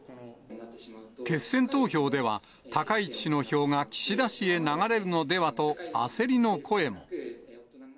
決選投票では、高市氏の票が岸田氏へ流れるのではと、焦りの声も。